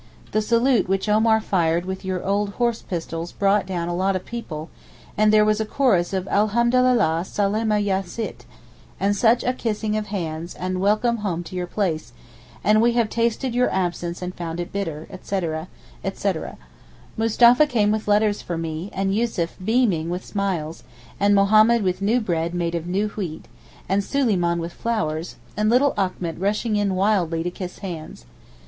The salute which Omar fired with your old horse pistols brought down a lot of people, and there was a chorus of Alhamdulilah Salaameh ya Sitt, and such a kissing of hands, and 'Welcome home to your place' and 'We have tasted your absence and found it bitter,' etc., etc. Mustapha came with letters for me, and Yussuf beaming with smiles, and Mahommed with new bread made of new wheat, and Suleyman with flowers, and little Achmet rushing in wildly to kiss hands.